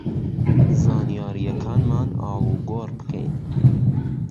زانیارییەکانمان ئاڵوگۆڕ بکەین